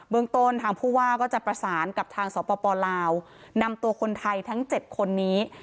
เมืองต้นทางผู้ว่าก็จะประสานกับทางสปลาวนำตัวคนไทยทั้ง๗คนนี้